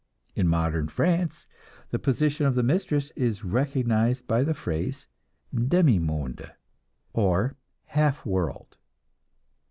In modern France, the position of the mistress is recognized by the phrase "demi monde," or half world.